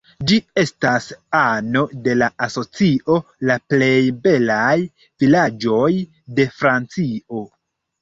Ĝi estas ano de la asocio La plej belaj vilaĝoj de Francio.